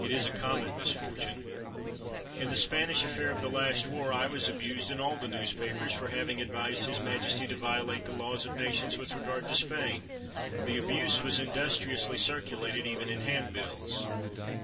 It is a common misfortune. In the Spanish affair of the last war, I was abused in all the newspapers for having advised his majesty to violate the laws of nations with regard to Spain. The abuse was industriously circulated even in handbills.